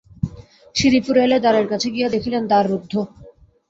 সিঁড়ি ফুরাইলে দ্বারের কাছে গিয়া দেখিলেন দ্বার রুদ্ধ।